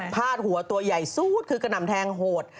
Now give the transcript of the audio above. พาดหัวตัวใหญ่ซูดคือกระหน่ำแทงโหด